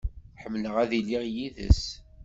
Ḥemmleɣ ad iliɣ yid-s.